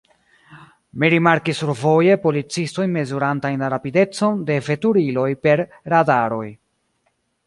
Mi rimarkis survoje policistojn mezurantajn la rapidecon de veturiloj per radaroj.